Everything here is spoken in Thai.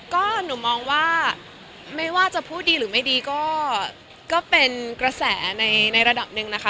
ก็หนูมองว่าไม่ว่าจะพูดดีหรือไม่ดีก็เป็นกระแสในระดับหนึ่งนะคะ